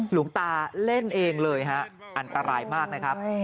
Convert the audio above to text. หลวงตาเล่นเองเลยฮะอันตรายมากนะครับ